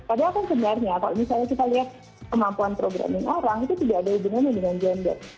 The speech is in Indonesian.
padahal kan sebenarnya kalau misalnya kita lihat kemampuan programming orang itu tidak ada hubungannya dengan gender